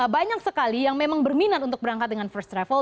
banyak sekali yang memang berminat untuk berangkat dengan first travel